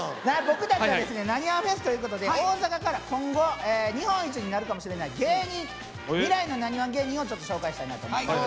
僕たちは「なにわんＦＥＳ」ということで大阪から今後日本一になるかもしれない芸人未来のなにわん芸人をちょっと紹介したいなと思ってます。